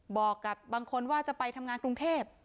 บอกกับบางคนว่าจะไปทำงานกรุงเทพ